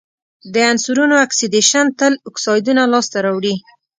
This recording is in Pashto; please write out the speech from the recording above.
د عنصرونو اکسیدیشن تل اکسایدونه لاسته راوړي.